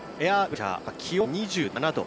気温は２７度。